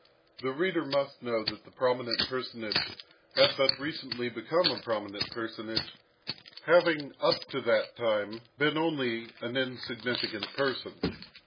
The reader must know that the prominent personage had but recently become a prominent personage, having up to that time been only an insignificant person.